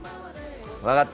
分かった！